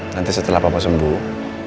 nanti setelah papa sembuh